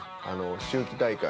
秋季大会。